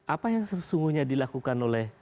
apa yang sesungguhnya dilakukan oleh